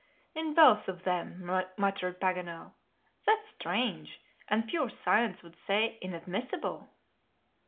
"In both of them!" muttered Paganel; "that's strange, and pure science would say inadmissible."